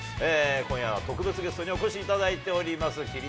今夜は特別ゲストにお越しいただいております。